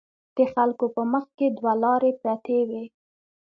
د خلکو په مخکې دوه لارې پرتې وي.